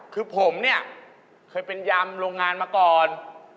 คือผมเนี่ยเคยเป็นยำโรงงานมาก่อน